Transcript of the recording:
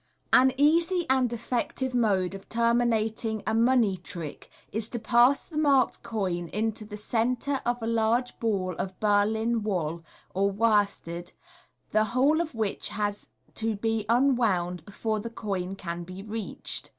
— Ar easy and effective mode of terminating a money trick is to pass the marked coin into the centre of a large ball of Berlin wool or worsted, the whole of which has to be unwound before the coin can be reached.